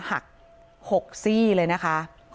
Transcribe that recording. หัก๖ซี่เลยนะคะ